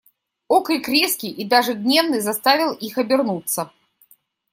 Окрик резкий и даже гневный заставил их обернуться.